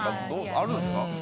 あるんですか？